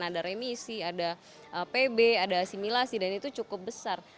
ada remisi ada pb ada asimilasi dan itu cukup besar